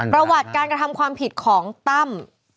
ประวัติการกระทำความผิดของตั้ม